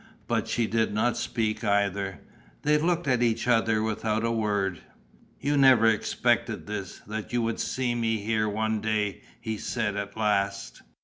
But she did not speak either. They looked at each other without a word. "You never expected this: that you would see me here one day," he said, at last.